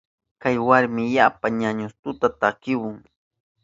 Kay warmi yapa ñañustuta takihun.